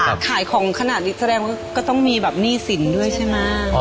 ขายของขนาดนี้แสดงว่าก็ต้องมีแบบหนี้สินด้วยใช่ไหม